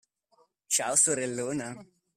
Ciao, sorellona.